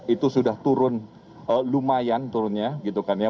itu sudah turun lumayan turunnya gitu kan ya